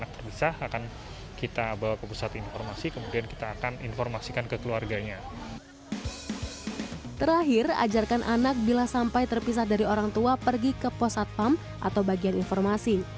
terakhir ajarkan anak bila sampai terpisah dari orang tua pergi ke posatpam atau bagian informasi